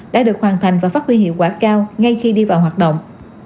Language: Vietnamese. đã được hoàn thành và phát huy hiệu quả cao ngay khi đi vào hoạt động